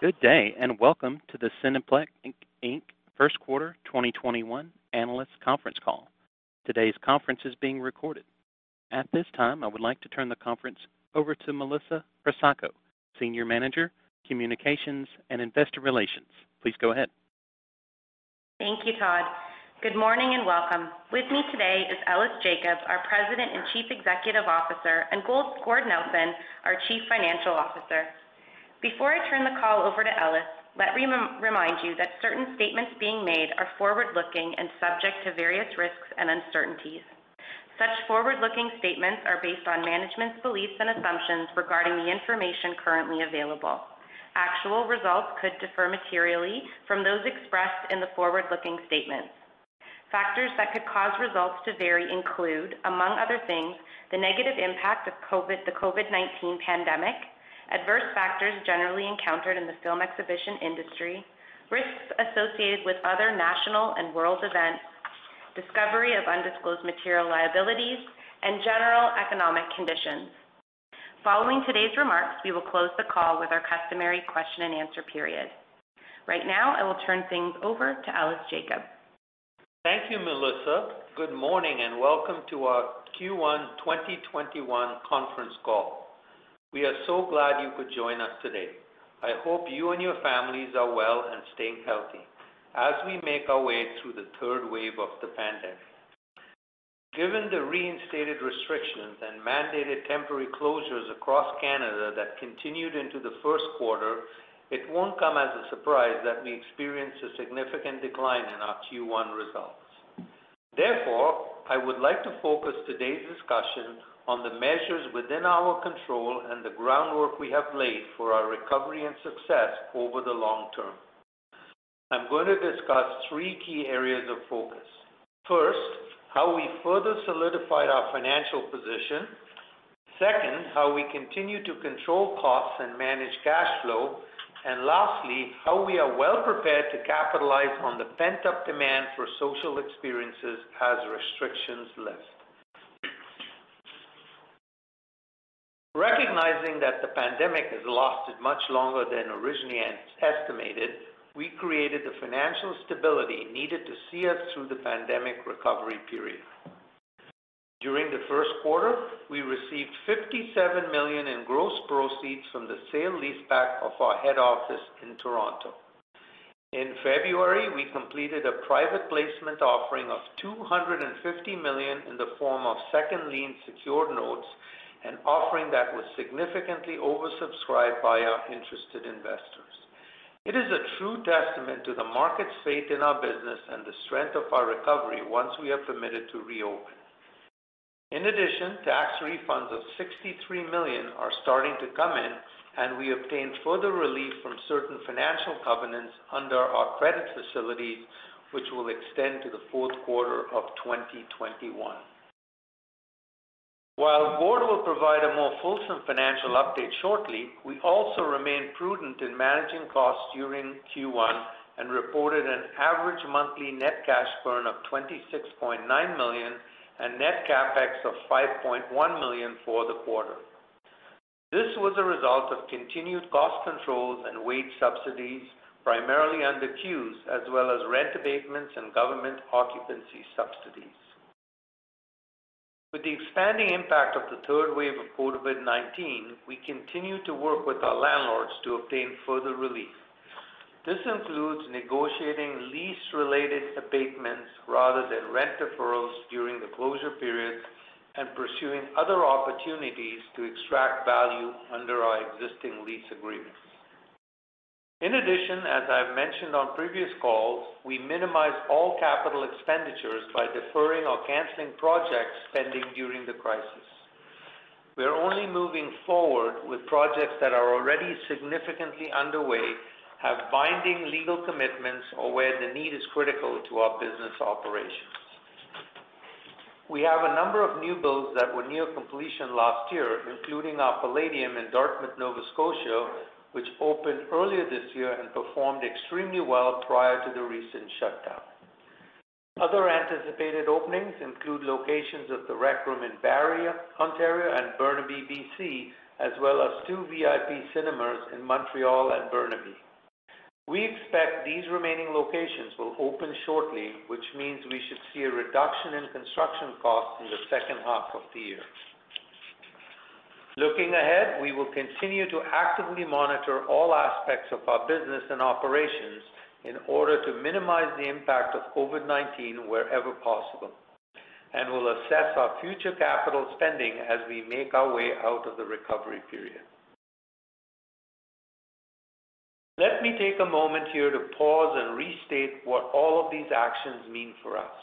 Good day, and welcome to the Cineplex Inc. first quarter 2021 analyst conference call. Today's conference is being recorded. At this time, I would like to turn the conference over to Melissa Pressacco, Senior Manager, Communications and Investor Relations. Please go ahead. Thank you, Todd. Good morning and welcome. With me today is Ellis Jacob, our President and Chief Executive Officer, and Gord Nelson, our Chief Financial Officer. Before I turn the call over to Ellis, let me remind you that certain statements being made are forward-looking and subject to various risks and uncertainties. Such forward-looking statements are based on management's beliefs and assumptions regarding the information currently available. Actual results could differ materially from those expressed in the forward-looking statements. Factors that could cause results to vary include, among other things, the negative impact of the COVID-19 pandemic, adverse factors generally encountered in the film exhibition industry, risks associated with other national and world events, discovery of undisclosed material liabilities, and general economic conditions. Following today's remarks, we will close the call with our customary question-and-answer period. Right now, I will turn things over to Ellis Jacob. Thank you, Melissa. Good morning and welcome to our Q1 2021 conference call. We are so glad you could join us today. I hope you and your families are well and staying healthy as we make our way through the third wave of the pandemic. Given the reinstated restrictions and mandated temporary closures across Canada that continued into the first quarter, it won't come as a surprise that we experienced a significant decline in our Q1 results. Therefore, I would like to focus today's discussion on the measures within our control and the groundwork we have laid for our recovery and success over the long-term. I'm going to discuss three key areas of focus. First, how we further solidified our financial position. Second, how we continue to control costs and manage cash flow. Lastly, how we are well-prepared to capitalize on the pent-up demand for social experiences as restrictions lift. Recognizing that the pandemic has lasted much longer than originally estimated, we created the financial stability needed to see us through the pandemic recovery period. During the first quarter, we received 57 million in gross proceeds from the sale leaseback of our head office in Toronto. In February, we completed a private placement offering of 250 million in the form of second lien secured notes, an offering that was significantly oversubscribed by our interested investors. It is a true testament to the market's faith in our business and the strength of our recovery once we are permitted to reopen. In addition, tax refunds of 63 million are starting to come in, and we obtained further relief from certain financial covenants under our credit facility, which will extend to the fourth quarter of 2021. While Gord will provide a more fulsome financial update shortly, we also remain prudent in managing costs during Q1 and reported an average monthly net cash burn of 26.9 million and net CapEx of 5.1 million for the quarter. This was a result of continued cost controls and wage subsidies, primarily under CEWS, as well as rent abatements and government occupancy subsidies. With the expanding impact of the third wave of COVID-19, we continue to work with our landlords to obtain further relief. This includes negotiating lease-related abatements rather than rent deferrals during the closure period and pursuing other opportunities to extract value under our existing lease agreements. In addition, as I've mentioned on previous calls, we minimized all capital expenditures by deferring or canceling project spending during the crisis. We're only moving forward with projects that are already significantly underway, have binding legal commitments, or where the need is critical to our business operations. We have a number of new builds that were near completion last year, including our Playdium in Dartmouth, Nova Scotia, which opened earlier this year and performed extremely well prior to the recent shutdown. Other anticipated openings include locations of The Rec Room in Barrie, Ontario, and Burnaby, BC, as well as two VIP cinemas in Montreal and Burnaby. We expect these remaining locations will open shortly, which means we should see a reduction in construction costs in the second half of the year. Looking ahead, we will continue to actively monitor all aspects of our business and operations in order to minimize the impact of COVID-19 wherever possible and will assess our future capital spending as we make our way out of the recovery period. Let me take a moment here to pause and restate what all of these actions mean for us.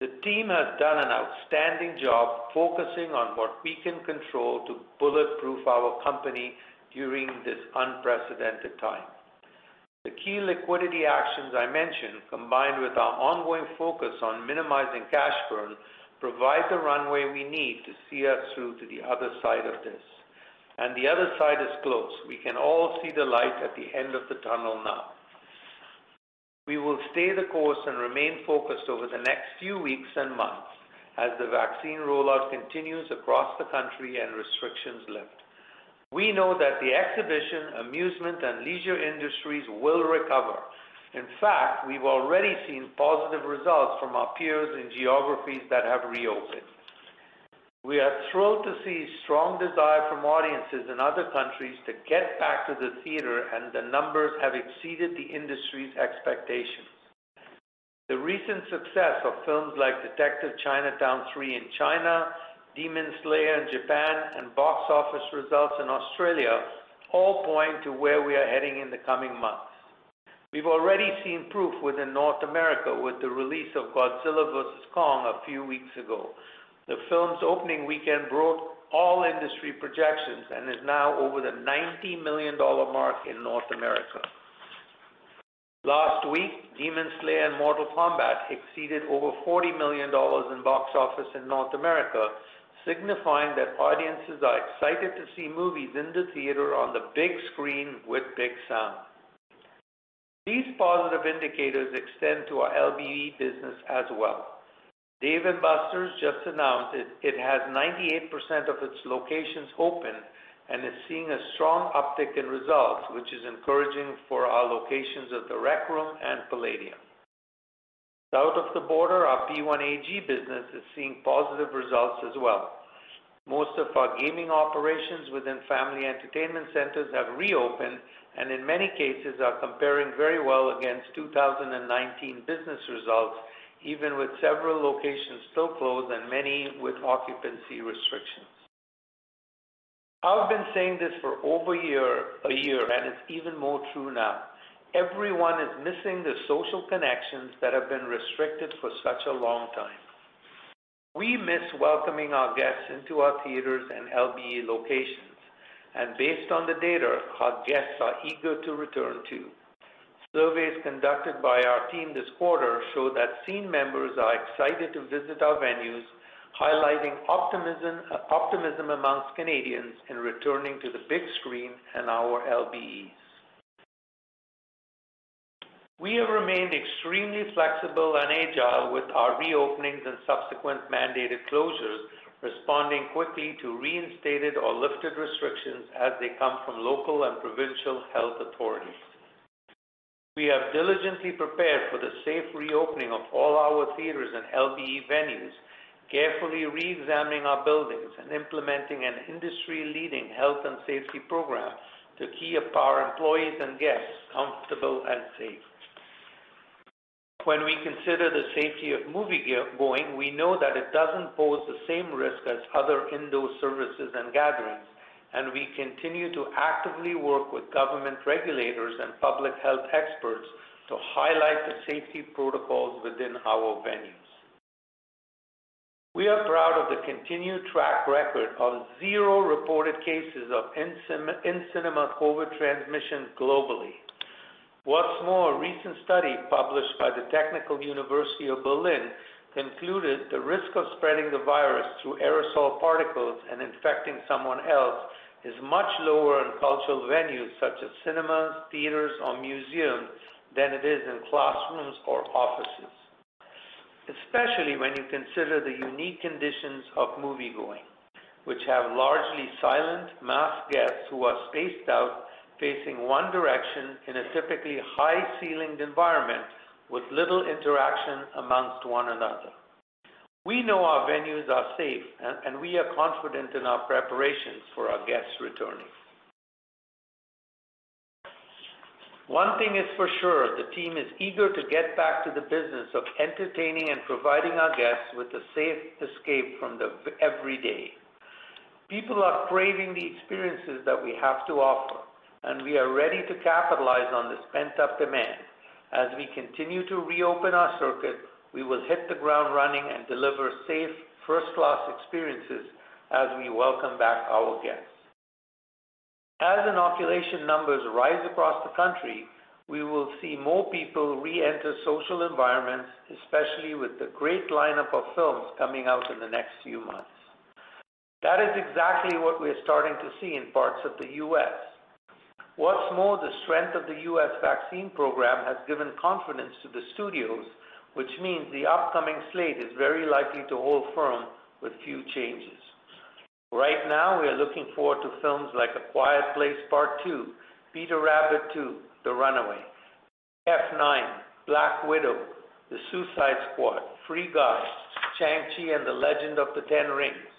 The team has done an outstanding job focusing on what we can control to bulletproof our company during this unprecedented time. The key liquidity actions I mentioned, combined with our ongoing focus on minimizing cash burn, provide the runway we need to see us through to the other side of this, and the other side is close. We can all see the light at the end of the tunnel now. We will stay the course and remain focused over the next few weeks and months as the vaccine rollout continues across the country and restrictions lift. We know that the exhibition, amusement, and leisure industries will recover. In fact, we've already seen positive results from our peers in geographies that have reopened. We are thrilled to see strong desire from audiences in other countries to get back to the theater, and the numbers have exceeded the industry's expectations. The recent success of films like "Detective Chinatown 3" in China, "Demon Slayer" in Japan, and box office results in Australia all point to where we are heading in the coming months. We've already seen proof within North America with the release of "Godzilla vs. Kong" a few weeks ago. The film's opening weekend broke all industry projections and is now over the 90 million dollar mark in North America. Last week, Demon Slayer and Mortal Kombat exceeded over 40 million dollars in box office in North America, signifying that audiences are excited to see movies in the theater on the big screen with big sound. These positive indicators extend to our LBE business as well. Dave & Buster's just announced it has 98% of its locations open and is seeing a strong uptick in results, which is encouraging for our locations of The Rec Room and Playdium. South of the border, our P1AG business is seeing positive results as well. Most of our gaming operations within family entertainment centers have reopened, and in many cases are comparing very well against 2019 business results, even with several locations still closed and many with occupancy restrictions. I've been saying this for over a year, and it's even more true now. Everyone is missing the social connections that have been restricted for such a long time. We miss welcoming our guests into our theaters and LBE locations. Based on the data, our guests are eager to return, too. Surveys conducted by our team this quarter show that Scene+ members are excited to visit our venues, highlighting optimism amongst Canadians in returning to the big screen and our LBEs. We have remained extremely flexible and agile with our reopenings and subsequent mandated closures, responding quickly to reinstated or lifted restrictions as they come from local and provincial health authorities. We have diligently prepared for the safe reopening of all our theaters and LBE venues, carefully re-examining our buildings and implementing an industry-leading health and safety program to keep our employees and guests comfortable and safe. When we consider the safety of moviegoing, we know that it doesn't pose the same risk as other indoor services and gatherings, and we continue to actively work with government regulators and public health experts to highlight the safety protocols within our venues. We are proud of the continued track record of zero reported cases of in-cinema COVID transmission globally. What's more, a recent study published by the Technical University of Berlin concluded the risk of spreading the virus through aerosol particles and infecting someone else is much lower in cultural venues such as cinemas, theaters, or museums than it is in classrooms or offices. Especially when you consider the unique conditions of moviegoing, which have largely silent, masked guests who are spaced out, facing one direction in a typically high-ceilinged environment with little interaction amongst one another. We know our venues are safe, and we are confident in our preparations for our guests returning. One thing is for sure, the team is eager to get back to the business of entertaining and providing our guests with a safe escape from the everyday. People are craving the experiences that we have to offer, and we are ready to capitalize on this pent-up demand. As we continue to reopen our circuit, we will hit the ground running and deliver safe, first-class experiences as we welcome back our guests. As inoculation numbers rise across the country, we will see more people reenter social environments, especially with the great lineup of films coming out in the next few months. That is exactly what we're starting to see in parts of the U.S. What's more, the strength of the U.S. vaccine program has given confidence to the studios, which means the upcoming slate is very likely to hold firm with few changes. Right now, we are looking forward to films like "A Quiet Place Part II," "Peter Rabbit 2: The Runaway," "F9," "Black Widow," "The Suicide Squad," "Free Guy," "Shang-Chi and the Legend of the Ten Rings,"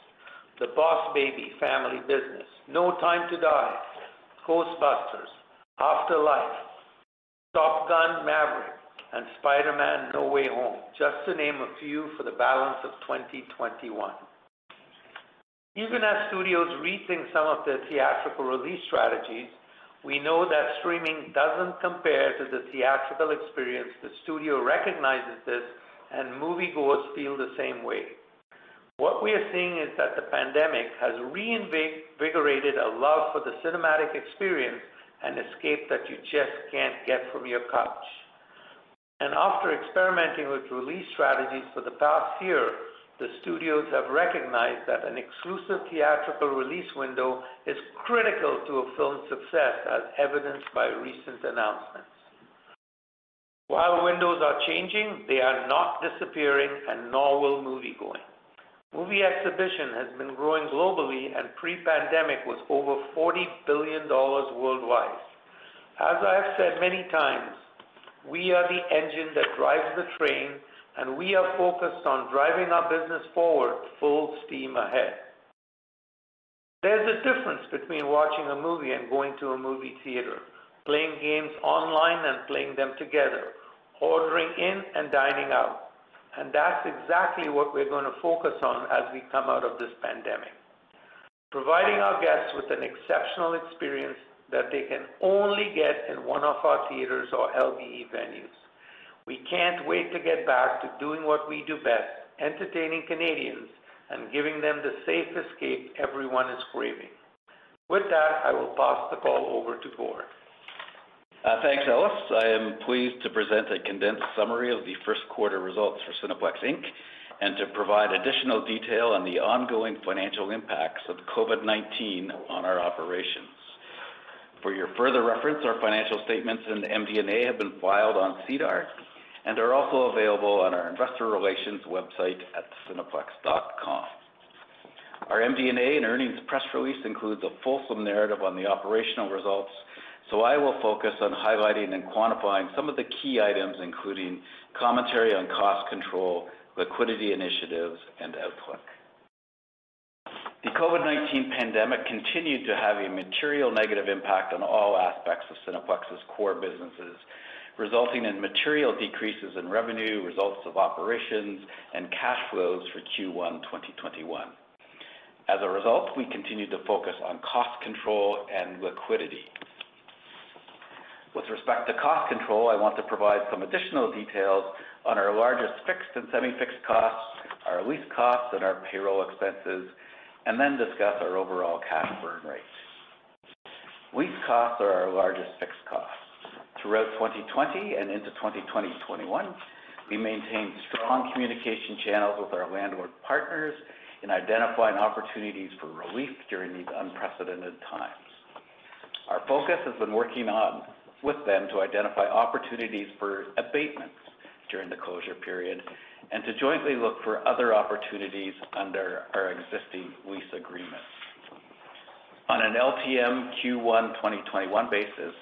"The Boss Baby: Family Business," "No Time to Die," "Ghostbusters: Afterlife" "Top Gun: Maverick," and "Spider-Man: No Way Home," just to name a few for the balance of 2021. Even as studios rethink some of their theatrical release strategies, we know that streaming doesn't compare to the theatrical experience. The studio recognizes this, and moviegoers feel the same way. What we are seeing is that the pandemic has reinvigorated a love for the cinematic experience, an escape that you just can't get from your couch. After experimenting with release strategies for the past year, the studios have recognized that an exclusive theatrical release window is critical to a film's success, as evidenced by recent announcements. While windows are changing, they are not disappearing, and nor will moviegoing. Movie exhibition has been growing globally and pre-pandemic was over 40 billion dollars worldwide. As I have said many times, we are the engine that drives the train, and we are focused on driving our business forward full steam ahead. There's a difference between watching a movie and going to a movie theater, playing games online and playing them together, ordering in and dining out. That's exactly what we're going to focus on as we come out of this pandemic. Providing our guests with an exceptional experience that they can only get in one of our theaters or LBE venues. We can't wait to get back to doing what we do best, entertaining Canadians and giving them the safe escape everyone is craving. With that, I will pass the call over to Gord. Thanks, Ellis. I am pleased to present a condensed summary of the first quarter results for Cineplex Inc., and to provide additional detail on the ongoing financial impacts of COVID-19 on our operations. For your further reference, our financial statements and MD&A have been filed on SEDAR and are also available on our investor relations website at cineplex.com. Our MD&A and earnings press release includes a fulsome narrative on the operational results. I will focus on highlighting and quantifying some of the key items, including commentary on cost control, liquidity initiatives, and outlook. The COVID-19 pandemic continued to have a material negative impact on all aspects of Cineplex's core businesses, resulting in material decreases in revenue, results of operations, and cash flows for Q1 2021. As a result, we continued to focus on cost control and liquidity. With respect to cost control, I want to provide some additional details on our largest fixed and semi-fixed costs, our lease costs, and our payroll expenses, and then discuss our overall cash burn rates. Lease costs are our largest fixed costs. Throughout 2020 and into 2021, we maintained strong communication channels with our landlord partners in identifying opportunities for relief during these unprecedented times. Our focus has been working with them to identify opportunities for abatements during the closure period, and to jointly look for other opportunities under our existing lease agreements. On an LTM Q1 2021 basis,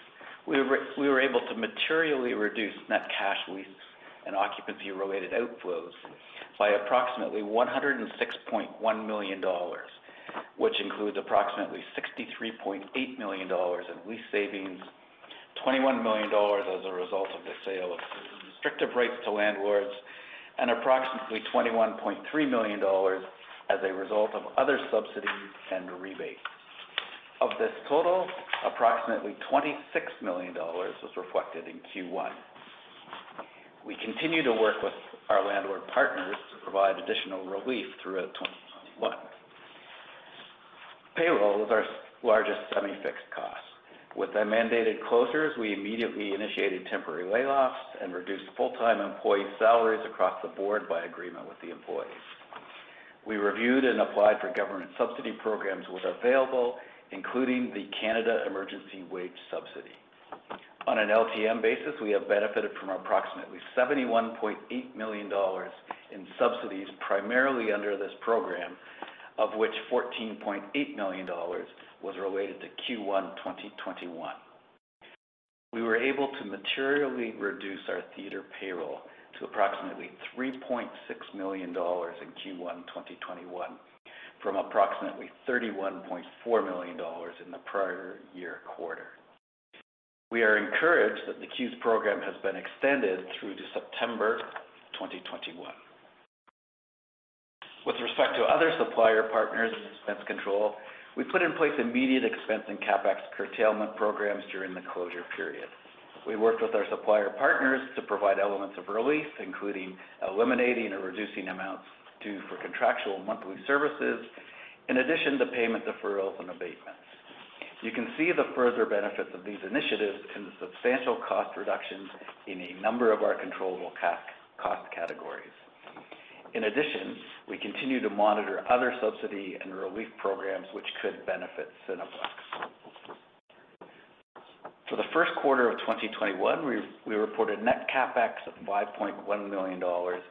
we were able to materially reduce net cash lease and occupancy-related outflows by approximately 106.1 million dollars, which includes approximately 63.8 million dollars in lease savings, 21 million dollars as a result of the sale of restrictive rights to landlords, and approximately 21.3 million dollars as a result of other subsidies and rebates. Of this total, approximately 26 million dollars was reflected in Q1. We continue to work with our landlord partners to provide additional relief throughout 2021. Payroll was our largest semi-fixed cost. With the mandated closures, we immediately initiated temporary layoffs and reduced full-time employee salaries across the board by agreement with the employees. We reviewed and applied for government subsidy programs where available, including the Canada Emergency Wage Subsidy. On an LTM basis, we have benefited from approximately 71.8 million dollars in subsidies, primarily under this program, of which 14.8 million dollars was related to Q1 2021. We were able to materially reduce our theater payroll to approximately 3.6 million dollars in Q1 2021 from approximately 31.4 million dollars in the prior year quarter. We are encouraged that the CEWS program has been extended through to September 2021. With respect to other supplier partners and expense control, we put in place immediate expense and CapEx curtailment programs during the closure period. We worked with our supplier partners to provide elements of relief, including eliminating or reducing amounts due for contractual monthly services, in addition to payment deferrals and abatements. You can see the further benefits of these initiatives in the substantial cost reductions in a number of our controllable cost categories. In addition, we continue to monitor other subsidy and relief programs which could benefit Cineplex. For the first quarter of 2021, we reported net CapEx of 5.1 million dollars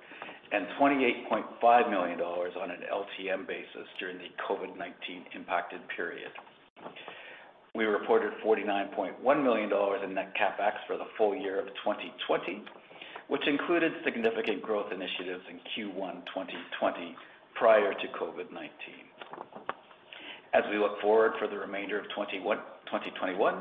and 28.5 million dollars on an LTM basis during the COVID-19 impacted period. We reported 49.1 million dollars in net CapEx for the full year of 2020, which included significant growth initiatives in Q1 2020 prior to COVID-19. As we look forward for the remainder of 2021,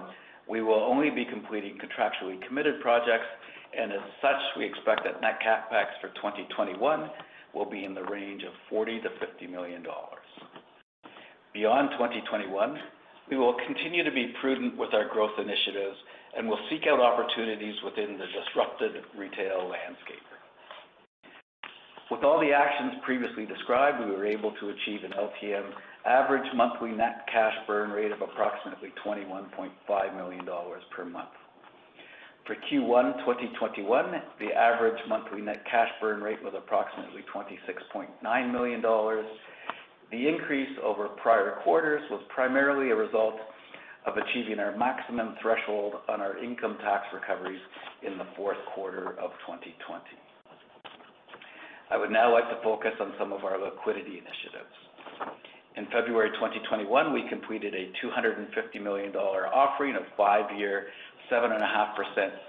we will only be completing contractually committed projects, and as such, we expect that net CapEx for 2021 will be in the range of 40 million-50 million dollars. Beyond 2021, we will continue to be prudent with our growth initiatives and will seek out opportunities within the disrupted retail landscape. With all the actions previously described, we were able to achieve an LTM average monthly net cash burn rate of approximately 21.5 million dollars per month. For Q1 2021, the average monthly net cash burn rate was approximately 26.9 million dollars. The increase over prior quarters was primarily a result of achieving our maximum threshold on our income tax recoveries in the fourth quarter of 2020. I would now like to focus on some of our liquidity initiatives. In February 2021, we completed a 250 million dollar offering of five-year, 7.5%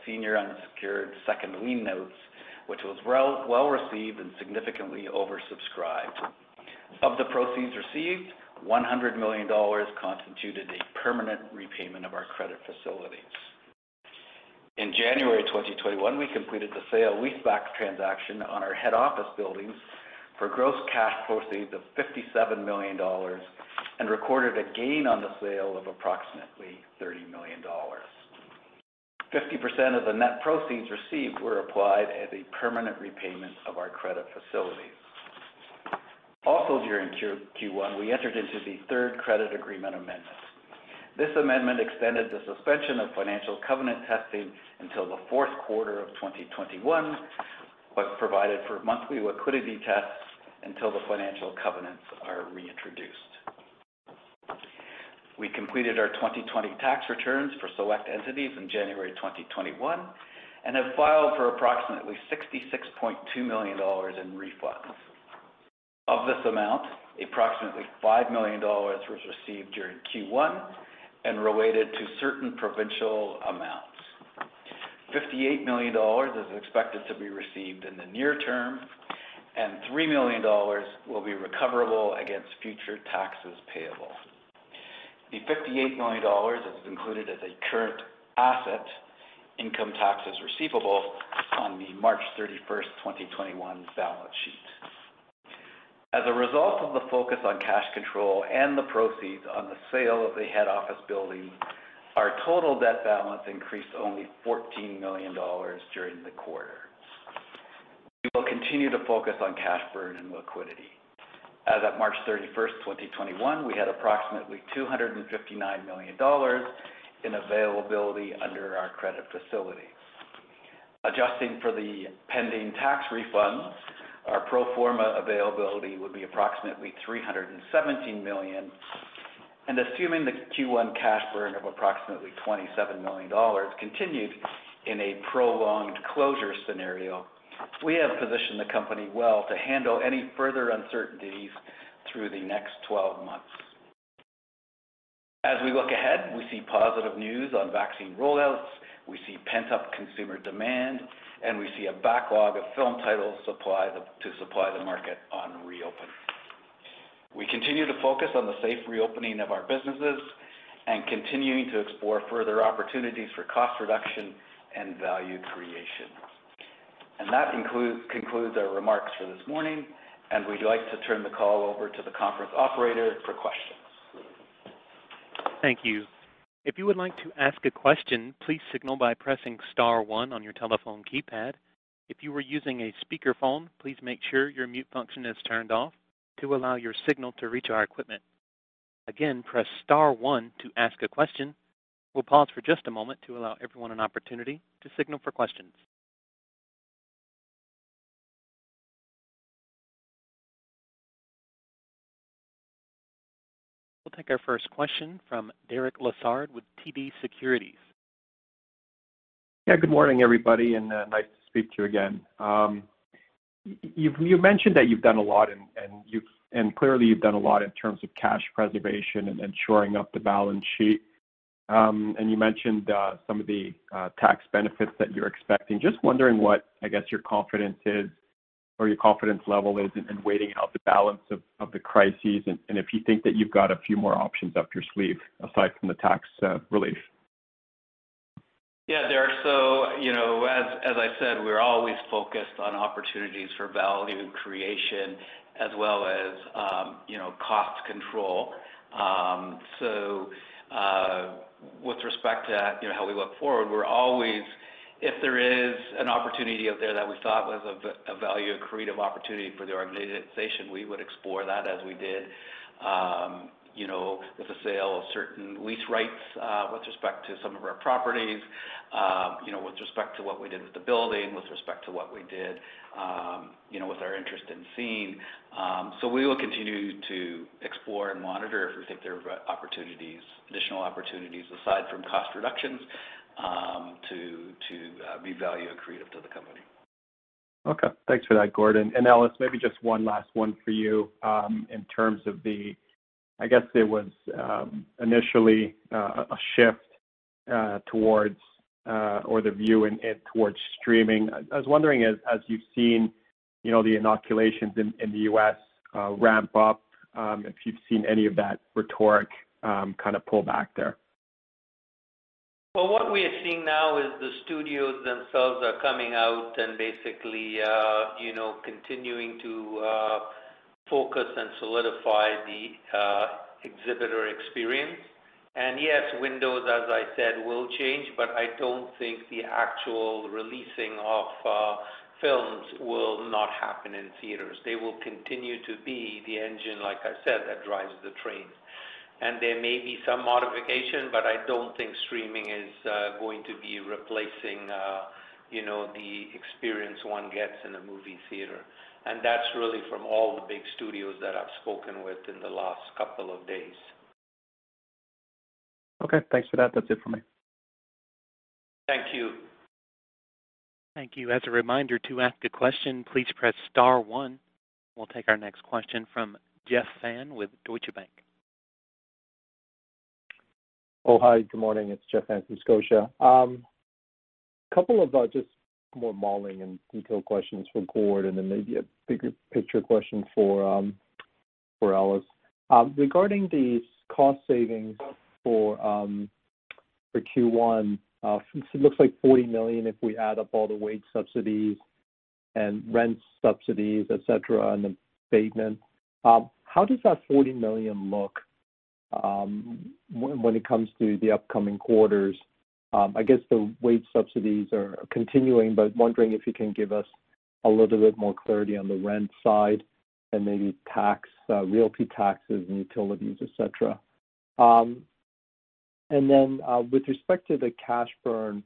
senior unsecured second lien notes, which was well-received and significantly oversubscribed. Of the proceeds received, 100 million dollars constituted a permanent repayment of our credit facilities. In January 2021, we completed the sale leaseback transaction on our head office buildings for gross cash proceeds of 57 million dollars and recorded a gain on the sale of approximately 30 million dollars. 50% of the net proceeds received were applied as a permanent repayment of our credit facilities. Also during Q1, we entered into the third credit agreement amendment. This amendment extended the suspension of financial covenant testing until the fourth quarter of 2021, provided for monthly liquidity tests until the financial covenants are reintroduced. We completed our 2020 tax returns for select entities in January 2021, have filed for approximately 66.2 million dollars in refunds. Of this amount, approximately 5 million dollars was received during Q1 and related to certain provincial amounts. 58 million dollars is expected to be received in the near-term. 3 million dollars will be recoverable against future taxes payable. The 58 million dollars is included as a current asset income taxes receivable on the March 31st, 2021 balance sheet. As a result of the focus on cash control and the proceeds on the sale of the head office building, our total debt balance increased only 14 million dollars during the quarter. We will continue to focus on cash burn and liquidity. As at March 31st, 2021, we had approximately 259 million dollars in availability under our credit facility. Adjusting for the pending tax refunds, our pro forma availability would be approximately 317 million, and assuming the Q1 cash burn of approximately 27 million dollars continued in a prolonged closure scenario, we have positioned the company well to handle any further uncertainties through the next 12 months. As we look ahead, we see positive news on vaccine rollouts, we see pent-up consumer demand, and we see a backlog of film titles to supply the market on reopen. We continue to focus on the safe reopening of our businesses and continuing to explore further opportunities for cost reduction and value creation. That concludes our remarks for this morning, and we'd like to turn the call over to the conference operator for questions. Thank you. If you would like to ask a question, please signal by pressing star one on your telephone keypad. If you are using a speakerphone, please make sure your mute function is turned off to allow your signal to reach our equipment. Again, press star one to ask a question. We'll pause for just a moment to allow everyone an opportunity to signal for questions. We'll take our first question from Derek Lessard with TD Securities. Good morning, everybody, and nice to speak to you again. You've mentioned that you've done a lot and clearly you've done a lot in terms of cash preservation and shoring up the balance sheet. You mentioned some of the tax benefits that you're expecting. Just wondering what I guess your confidence is or your confidence level is in waiting out the balance of the crisis, and if you think that you've got a few more options up your sleeve aside from the tax relief? Yeah, Derek. As I said, we're always focused on opportunities for value creation as well as cost control. With respect to how we look forward, if there is an opportunity out there that we thought was a value creative opportunity for the organization, we would explore that as we did with the sale of certain lease rights with respect to some of our properties, with respect to what we did with the building, with respect to what we did with our interest in Scene+. We will continue to explore and monitor if we think there are additional opportunities aside from cost reductions to be value creative to the company. Okay. Thanks for that, Gordon. Ellis, maybe just one last one for you. In terms of, I guess there was initially a shift towards or the view towards streaming. I was wondering, as you've seen the inoculations in the U.S. ramp-up, if you've seen any of that rhetoric kind of pull back there. Well, what we are seeing now is the studios themselves are coming out and basically continuing to focus and solidify the exhibitor experience. Yes, windows, as I said, will change, but I don't think the actual releasing of films will not happen in theaters. They will continue to be the engine, like I said, that drives the train. There may be some modification, but I don't think streaming is going to be replacing the experience one gets in a movie theater. That's really from all the big studios that I've spoken with in the last couple of days. Okay. Thanks for that. That's it for me. Thank you. Thank you. As a reminder, to ask a question, please press star one. We'll take our next question from Jeff Fan with Scotiabank. Oh, hi. Good morning. It's Jeff Fan from Scotiabank. Couple of just more modeling and detail questions for Gord, and then maybe a bigger picture question for Ellis. Regarding these cost savings for Q1, it looks like 40 million if we add up all the wage subsidies and rent subsidies, et cetera, and the abatement. How does that 40 million look when it comes to the upcoming quarters? I guess the wage subsidies are continuing, but wondering if you can give us a little bit more clarity on the rent side and maybe realty taxes and utilities, et cetera. With respect to the cash burn,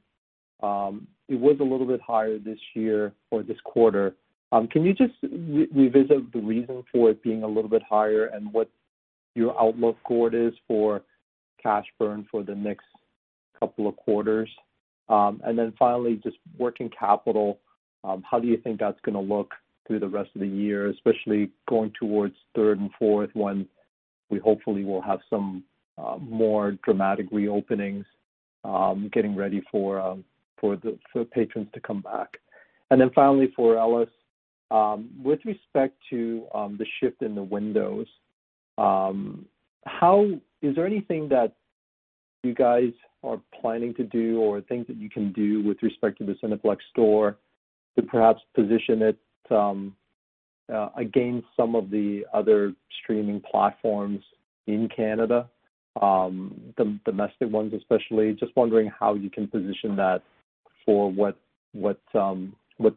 it was a little bit higher this year or this quarter. Can you just revisit the reason for it being a little bit higher and what your outlook, Gord, is for cash burn for the next couple of quarters? Finally, just working capital, how do you think that's going to look through the rest of the year, especially going towards third and fourth when we hopefully will have some more dramatic reopenings, getting ready for patrons to come back. Finally, for Ellis, with respect to the shift in the windows, is there anything that you guys are planning to do or things that you can do with respect to the Cineplex Store to perhaps position it against some of the other streaming platforms in Canada, the domestic ones especially? Just wondering how you can position that for what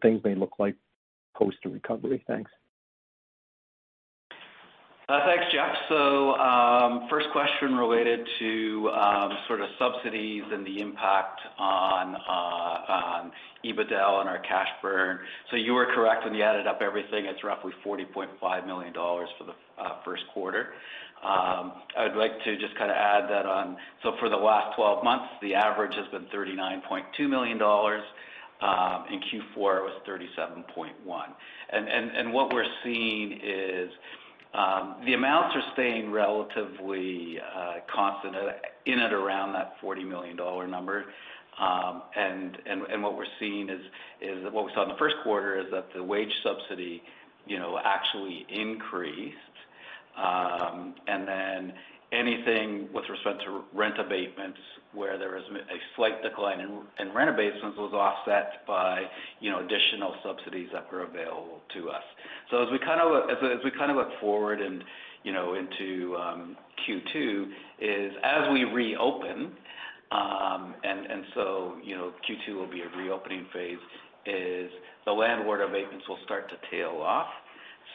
things may look like post recovery. Thanks. Thanks, Jeff. First question related to sort of subsidies and the impact on EBITDA and our cash burn. You are correct when you added up everything, it's roughly 40.5 million dollars for the first quarter. I would like to just kind of add that on. For the last 12 months, the average has been 39.2 million dollars. In Q4, it was 37.1 million. What we're seeing is the amounts are staying relatively constant in and around that 40 million dollar number. What we saw in the first quarter is that the wage subsidy actually increased. Anything with respect to rent abatements, where there was a slight decline in rent abatements, was offset by additional subsidies that were available to us. As we kind of look forward into Q2 is as we reopen, Q2 will be a reopening phase, is the landlord abatements will start to tail off.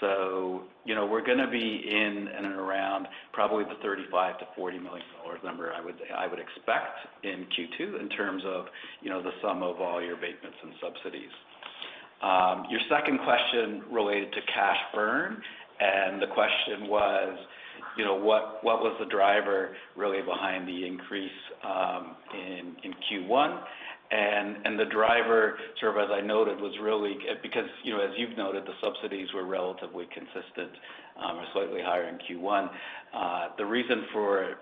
We're going to be in and around probably the 35 million-40 million dollars number, I would expect in Q2 in terms of the sum of all your abatements and subsidies. Your second question related to cash burn, the question was, what was the driver really behind the increase in Q1? The driver, sort of as I noted, because as you've noted, the subsidies were relatively consistent or slightly higher in Q1. The reason for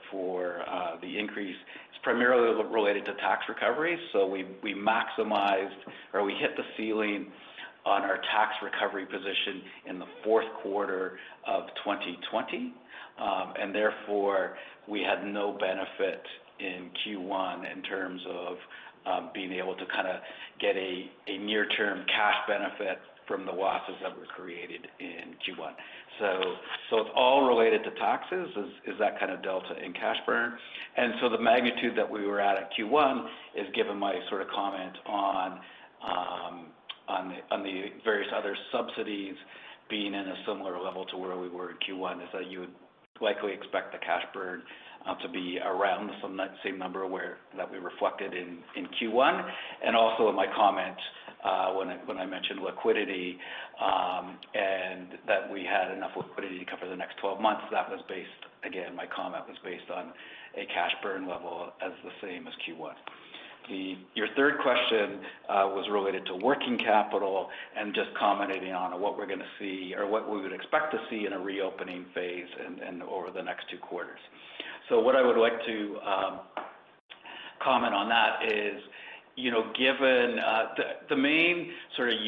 the increase is primarily related to tax recovery. We maximized or we hit the ceiling on our tax recovery position in the fourth quarter of 2020. Therefore, we had no benefit in Q1 in terms of being able to kind of get a near-term cash benefit from the losses that were created in Q1. It's all related to taxes, is that kind of delta in cash burn. The magnitude that we were at Q1 is given my sort of comment on the various other subsidies being in a similar level to where we were in Q1, is that you would likely expect the cash burn to be around from that same number that we reflected in Q1. Also in my comment, when I mentioned liquidity, and that we had enough liquidity to cover the next 12 months. Again, my comment was based on a cash burn level as the same as Q1. Your third question was related to working capital and just commentating on what we're going to see or what we would expect to see in a reopening phase and over the next two quarters. What I would like to comment on that is the main sort of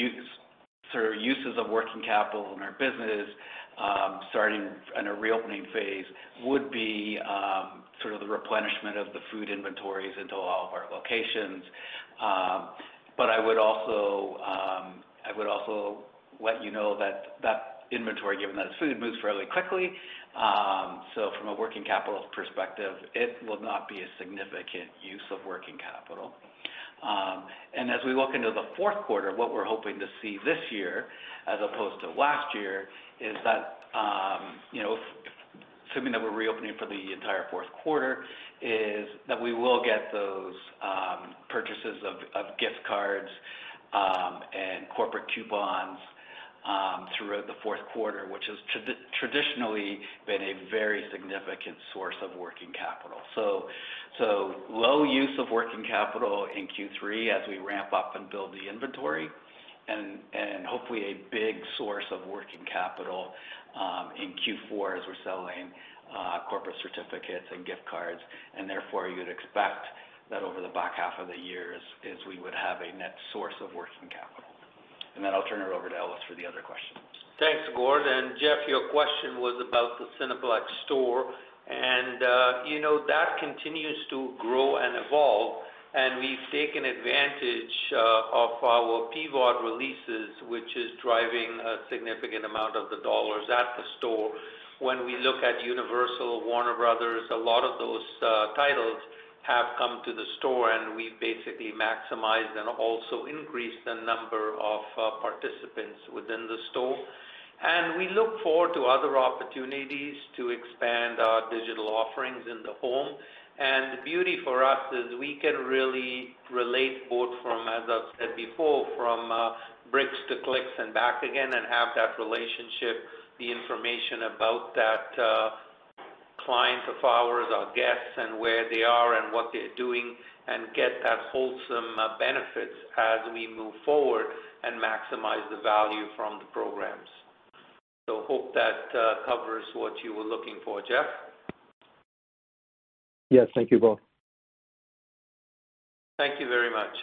uses of working capital in our business, starting in a reopening phase would be sort of the replenishment of the food inventories into all of our locations. But I would also let you know that that inventory, given that it's food, moves fairly quickly. From a working capital perspective, it will not be a significant use of working capital. As we look into the fourth quarter, what we're hoping to see this year as opposed to last year is that, assuming that we're reopening for the entire fourth quarter, is that we will get those purchases of gift cards and corporate coupons throughout the fourth quarter, which has traditionally been a very significant source of working capital. Low use of working capital in Q3 as we ramp-up and build the inventory, and hopefully a big source of working capital in Q4 as we're selling corporate certificates and gift cards. Therefore, you'd expect that over the back half of the year is we would have a net source of working capital. Then I'll turn it over to Ellis for the other questions. Thanks, Gordon. Jeff, your question was about the Cineplex Store, and that continues to grow and evolve. We've taken advantage of our PVOD releases, which is driving a significant amount of the dollars at the Store. When we look at Universal, Warner Bros., a lot of those titles have come to the Store, and we basically maximize and also increase the number of participants within the Store. We look forward to other opportunities to expand our digital offerings in the home. The beauty for us is we can really relate both from, as I've said before, from bricks to clicks and back again, and have that relationship, the information about that client of ours, our guests, and where they are and what they're doing, and get that wholesome benefits as we move forward and maximize the value from the programs. Hope that covers what you were looking for, Jeff. Yes, thank you both. Thank you very much.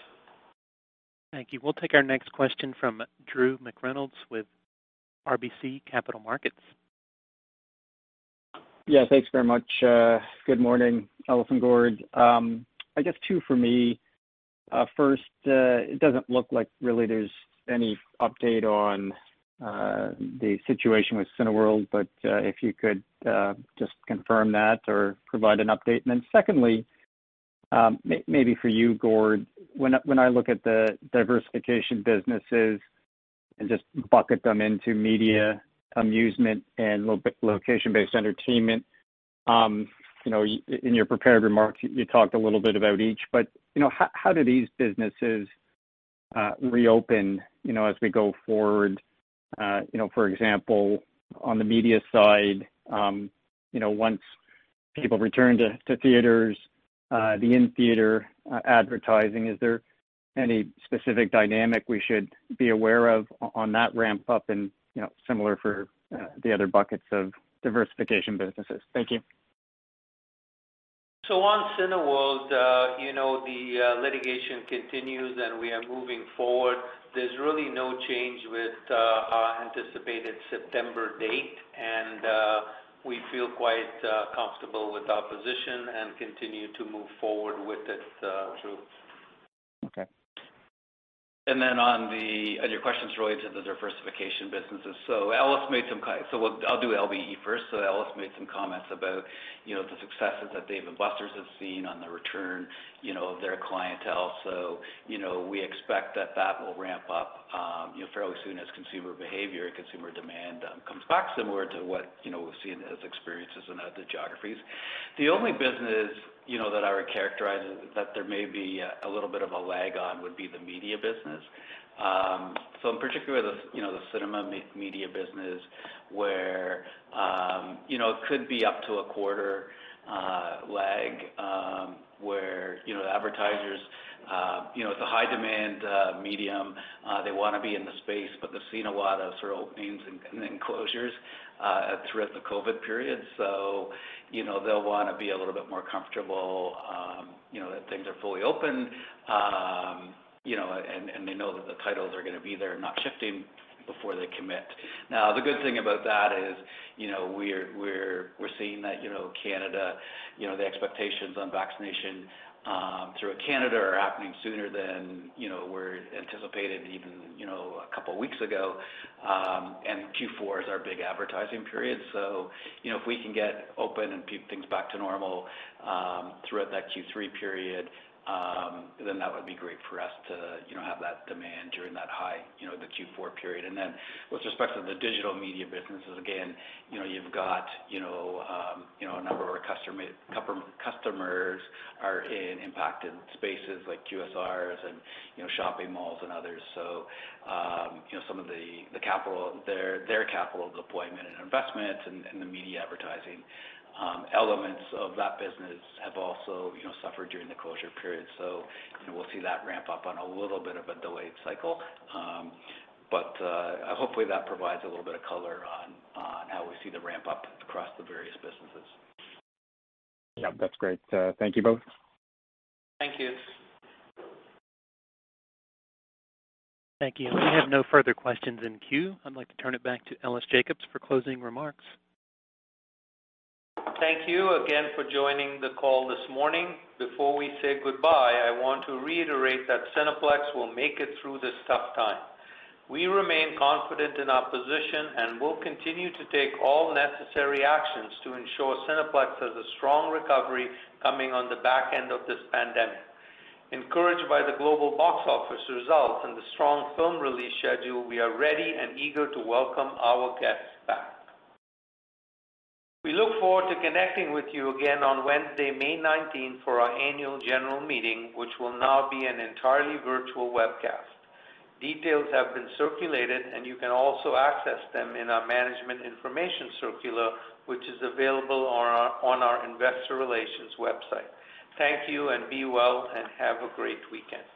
Thank you. We'll take our next question from Drew McReynolds with RBC Capital Markets. Yeah, thanks very much. Good morning, Ellis and Gord. I guess two for me. First, it doesn't look like really there's any update on the situation with Cineworld, but if you could just confirm that or provide an update. Then secondly, maybe for you, Gord. When I look at the diversification businesses and just bucket them into media amusement and location-based entertainment. In your prepared remarks, you talked a little bit about each, but how do these businesses reopen as we go forward? For example, on the media side, once people return to theaters, the in-theater advertising, is there any specific dynamic we should be aware of on that ramp-up, and similar for the other buckets of diversification businesses? Thank you. On Cineworld, the litigation continues, and we are moving forward. There's really no change with our anticipated September date, and we feel quite comfortable with our position and continue to move forward with it, Drew. Okay. Your question's related to the diversification businesses. I'll do LBE first. Ellis made some comments about the successes that Dave & Buster's have seen on the return of their clientele. We expect that that will ramp-up fairly soon as consumer behavior, consumer demand comes back similar to what we've seen as experiences in other geographies. The only business that I would characterize that there may be a little bit of a lag on would be the media business. In particular, the cinema media business, where it could be up to a quarter lag, where the advertisers, it's a high-demand medium. They want to be in the space, but they've seen a lot of sort of openings and then closures throughout the COVID period. They'll want to be a little bit more comfortable that things are fully open, and they know that the titles are going to be there and not shifting before they commit. The good thing about that is, we're seeing that Canada, the expectations on vaccination throughout Canada are happening sooner than were anticipated even a couple of weeks ago. Q4 is our big advertising period. If we can get open and keep things back to normal throughout that Q3 period, then that would be great for us to have that demand during that high, the Q4 period. With respect to the digital media businesses, again, you've got a number of our customers are in impacted spaces like QSRs and shopping malls and others. Some of their capital deployment and investments and the media advertising elements of that business have also suffered during the closure period. We'll see that ramp-up on a little bit of a delayed cycle. Hopefully that provides a little bit of color on how we see the ramp-up across the various businesses. Yeah, that's great. Thank you both. Thank you. Thank you. We have no further questions in queue. I'd like to turn it back to Ellis Jacob for closing remarks. Thank you again for joining the call this morning. Before we say goodbye, I want to reiterate that Cineplex will make it through this tough time. We remain confident in our position, and we'll continue to take all necessary actions to ensure Cineplex has a strong recovery coming on the back end of this pandemic. Encouraged by the global box office results and the strong film release schedule, we are ready and eager to welcome our guests back. We look forward to connecting with you again on Wednesday, May 19, for our annual general meeting, which will now be an entirely virtual webcast. Details have been circulated, and you can also access them in our management information circular, which is available on our investor relations website. Thank you, and be well, and have a great weekend.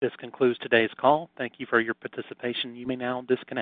This concludes today's call. Thank you for your participation. You may now disconnect.